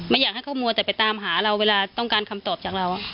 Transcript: อยากให้เขามัวแต่ไปตามหาเราเวลาต้องการคำตอบจากเรา